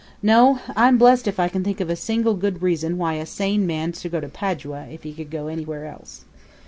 No: I'm blessed if I can think of a single good reason why a sane man should go to Padua if he could go anywhere else.